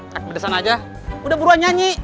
kak pedesan aja udah buruan nyanyi